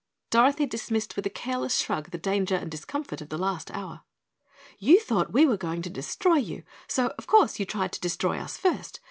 Dorothy dismissed with a careless shrug the danger and discomfort of the last hour. "You thought we were going to destroy you, so, of course, you tried to destroy us first.